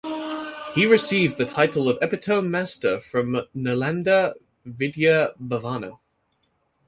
He received the title of Epitome Master from Nalanda Vidya Bhavana.